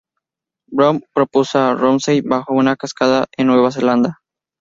Browne propuso a Rousey bajo una cascada en Nueva Zelanda.